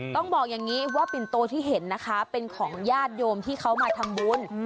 ต้องบอกอย่างนี้ว่าปิ่นโตที่เห็นนะคะเป็นของญาติโยมที่เขามาทำบุญ